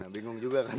bingung juga kan